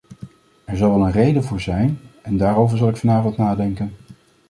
Er zal wel een reden voor zijn, en daarover zal ik vanavond nadenken.